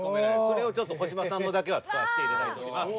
それをちょっと小芝さんのだけは使わしていただいております。